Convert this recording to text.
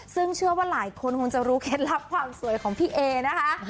ซึ่งเชื่อว่าหลายคนคงจะรู้เคล็ดลับความสวยของพี่เอนะคะ